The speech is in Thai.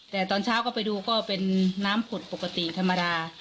แต่ตอนเช้าก็ไปดูก็เป็นน้ำผุดปกติธรรมดา